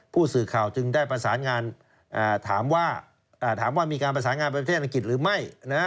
ผู้สื่อข่าวจึงได้ประสานงานถามว่าถามว่ามีการประสานงานประเทศอังกฤษหรือไม่